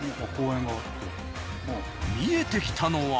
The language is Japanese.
見えてきたのは。